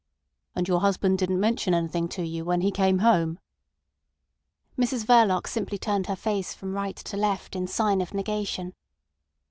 "And your husband didn't mention anything to you when he came home?" Mrs Verloc simply turned her face from right to left in sign of negation.